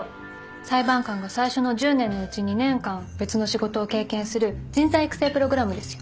裁判官が最初の１０年のうち２年間別の仕事を経験する人材育成プログラムですよ。